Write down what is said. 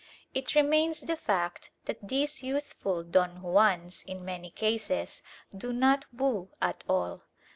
It remains the fact that these youthful Don Juans in many cases do not woo at all.